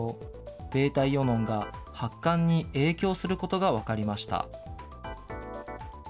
βイオノンが発汗に影響することが分かりました。